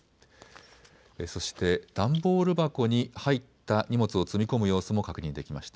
そして段ボール箱に入った荷物を積み込む様子も確認できました。